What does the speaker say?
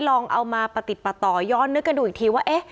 ลองเอามาประติดประต่อย้อนนึกกันดูอีกทีว่าเอ๊ะ